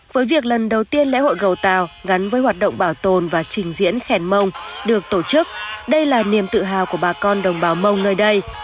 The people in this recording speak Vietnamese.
với việc lần đầu tiên lễ hội gầu tàu gắn với hoạt động bảo tồn và trình diễn khèn mông được tổ chức đây là niềm tự hào của bà con đồng bào mông nơi đây